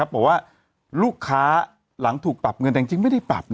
บอกว่าลูกค้าหลังถูกปรับเงินแต่จริงไม่ได้ปรับ